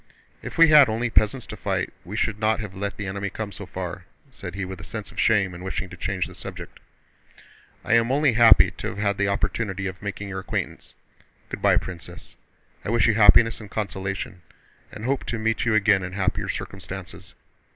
If we had had only peasants to fight, we should not have let the enemy come so far," said he with a sense of shame and wishing to change the subject. "I am only happy to have had the opportunity of making your acquaintance. Good by, Princess. I wish you happiness and consolation and hope to meet you again in happier circumstances.